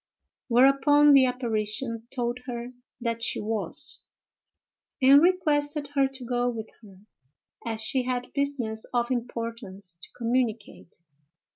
Whereupon the apparition told her that she was, and requested her to go with her, as she had business of importance to communicate.